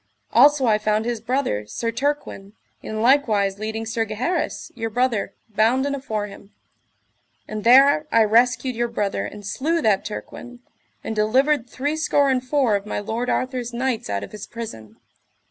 Also I found his brother, Sir Turquin, in likewise leading Sir Gaheris, your brother, bounden afore him; and there I rescued your brother and slew that Turquin, and delivered three score and four of my lord Arthur's knights out of his prison.